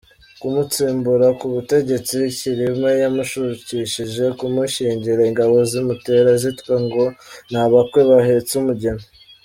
Kumutsimbura ku butegetsi, Cyilima yamushukishije kumushyingira, ingabo zimutera zitwa ngo ni abakwe bahetse umugeni.